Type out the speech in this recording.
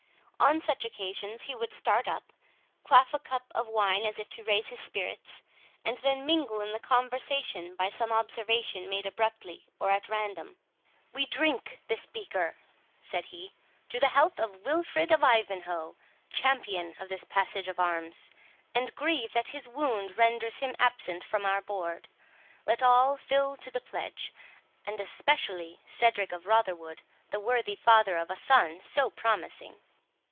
On such occasions he would start up, quaff a cup of wine as if to raise his spirits, and then mingle in the conversation by some observation made abruptly or at random. "We drink this beaker," said he, "to the health of Wilfred of Ivanhoe, champion of this Passage of Arms, and grieve that his wound renders him absent from our board—Let all fill to the pledge, and especially Cedric of Rotherwood, the worthy father of a son so promising."